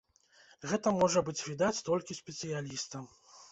Гэта можа быць відаць толькі спецыялістам.